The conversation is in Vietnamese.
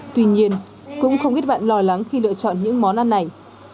tuy nhiên cũng không ít bạn lo lắng khi lựa chọn những món ăn này